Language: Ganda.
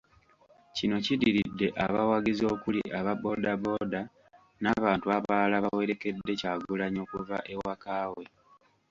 Kino kiddiridde abawagizi okuli aba boodabooda n'abantu abalala bawerekedde Kyagulanyi okuva ewaka we.